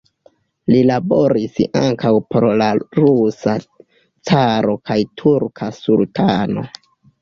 Li laboris ankaŭ por la rusa caro kaj turka sultano.